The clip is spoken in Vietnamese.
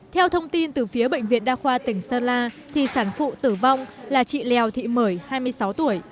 theo thông tin từ phía bệnh viện đa khoa tỉnh sơn la thì sản phụ tử vong là chị lèo thị mười hai mươi sáu tuổi